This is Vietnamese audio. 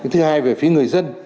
thứ hai về phía người dân